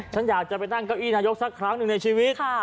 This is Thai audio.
ฉันอยากจะไปนั่งเก้าอี้นายกสักครั้งหนึ่งในชีวิต